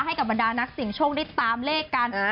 ให้กับบรรดานักเสียงโชคได้ตามเลขกัน